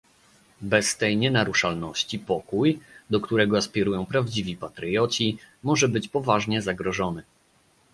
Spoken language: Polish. Bez tej nienaruszalności pokój, do którego aspirują prawdziwi patrioci, może być poważnie zagrożony